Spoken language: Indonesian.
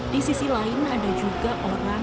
di sisi lain ada juga orang